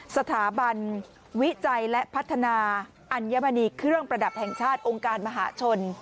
สถาบันวิจัยและพัฒนาอัญมณีเครื่องประดับแห่งชาติองค์การมหาชน